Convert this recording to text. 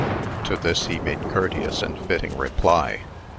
To this ho made courteous and fitting reply.